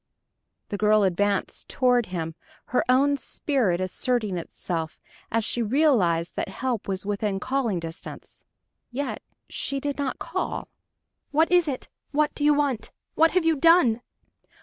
The girl advanced toward him, her own spirit asserting itself, as she realized that help was within calling distance. Yet she did not call! "What is it? What do you want? What have you done?"